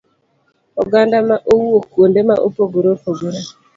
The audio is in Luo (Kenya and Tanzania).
oganda ma owuok kuonde ma opogore opogore.